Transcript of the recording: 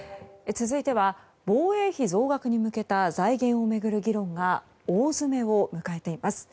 続いては防衛費増額に向けた財源を巡る議論が大詰めを迎えています。